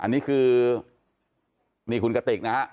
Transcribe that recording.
อันนี้คือนี่คุณกติกนะฮะ